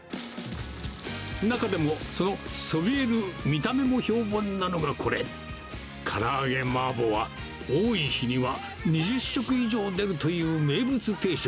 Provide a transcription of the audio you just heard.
中でもそのそびえる見た目も評判なのがこれ、からあげ麻婆は、多い日には２０食以上出るという名物定食。